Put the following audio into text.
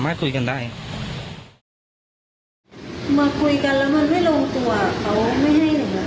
มาคุยกันแล้วมันไม่ลงตัว